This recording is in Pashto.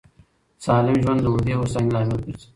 سالم ژوند د اوږدې هوساینې لامل ګرځي.